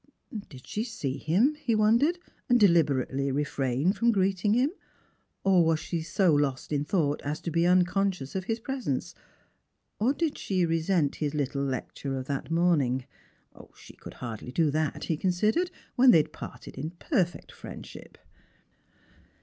Did she see him, he wondei'ed, and deliberately refrain Irom greeting him ? Or was she so lost in thought as to be unconscious of his presence? Or did she resent his little lecture of that morning ? She could hardly do that, he considered, when they had parted in perfect friendshij).